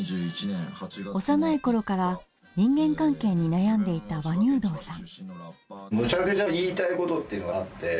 幼いころから人間関係に悩んでいた輪入道さん。